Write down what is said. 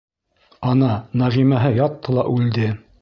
Ана, Нәғимәһе ятты ла үлде.